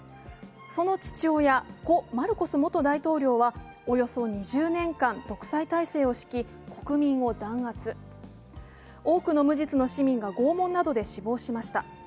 その父親、故マルコス元大統領はおよそ２０年間独裁体制をしき国民を弾圧、多くの無実の市民が拷問などで死亡しました。